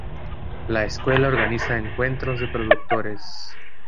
La escuela organiza encuentros de productores.